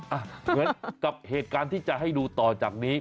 เพราะฉะนั้นกับเหตุการณ์ที่จะให้ดูต่อจากนี้